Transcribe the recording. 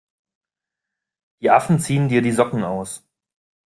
Die Affen ziehen dir die Socken aus!